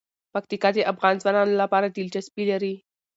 پکتیکا د افغان ځوانانو لپاره دلچسپي لري.